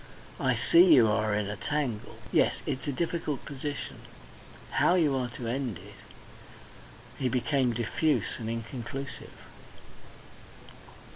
"I see you are in a tangle. Yes, it's a difficult position. How you are to end it..." He became diffuse and inconclusive.